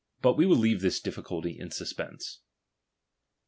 But we will leave this difficulty in si pense.